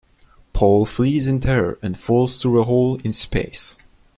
Paul flees in terror and falls through a hole in space.